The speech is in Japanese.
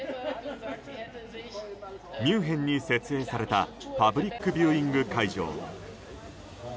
ミュンヘンに設営されたパブリックビューイング会場。